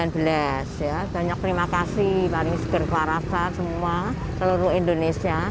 banyak terima kasih paling segera kewarasan semua seluruh indonesia